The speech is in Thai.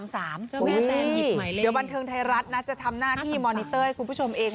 เดี๋ยวบันเทิงไทยรัฐนะจะทำหน้าที่มอนิเตอร์ให้คุณผู้ชมเอง